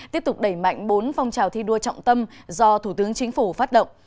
tiếp tục đẩy mạnh bốn phong trào thi đua trọng tâm do thủ tướng chính phủ phát động